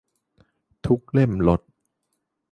ทุกเล่มลด